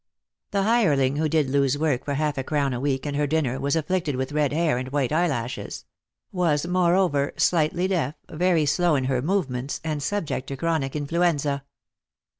The hireling who did Loo's work for half a crown a week and her dinner was afflicted with red hair and white eyelashes — was, moreover, slightly deaf, very slow in her movements, and subject to chronic influenza.